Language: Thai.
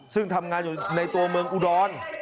ซึ่งทำงานอยู่ในตัวเมืองอุดร